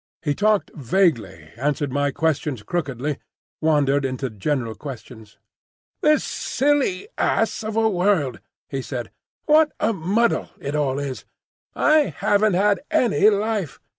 He talked vaguely, answered my questions crookedly, wandered into general questions. "This silly ass of a world," he said; "what a muddle it all is! I haven't had any life.